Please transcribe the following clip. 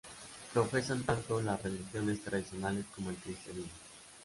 Profesan tanto las religiones tradicionales como el cristianismo.